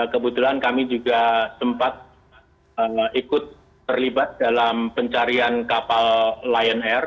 kebetulan kami juga sempat ikut terlibat dalam pencarian kapal lion air